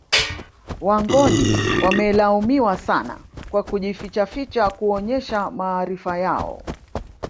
Wangoni wamelaumiwa sana kwa kujifichaficha kuonesha maarifa yao